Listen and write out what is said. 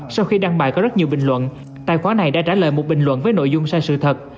sau khi đăng bài có rất nhiều bình luận tài khóa này đã trả lời một bình luận với nội dung sai sự thật